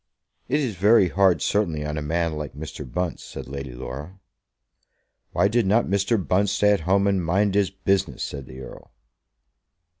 "It is very hard certainly on a man like Mr. Bunce," said Lady Laura. "Why did not Mr. Bunce stay at home and mind his business?" said the Earl.